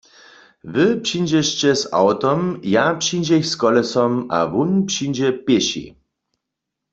Wy přińdźešće z awtom, ja přińdźech z kolesom a wón přińdźe pěši.